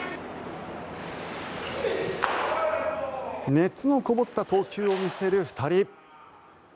熱のこもった投球を見せる２人。